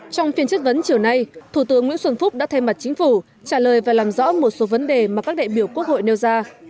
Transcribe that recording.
trong phiên chất vấn chiều nay thủ tướng nguyễn xuân phúc đã thay mặt chính phủ trả lời và làm rõ một số vấn đề mà các đại biểu quốc hội nêu ra